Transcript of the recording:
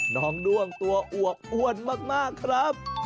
น้องดวงตัวอวกอวดมากครับ